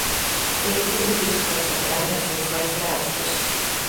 Ele decidiu se concentrar em assuntos mais práticos.